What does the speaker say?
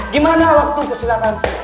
gimana waktu kesilangan